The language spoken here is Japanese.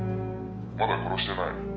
まだ殺してない」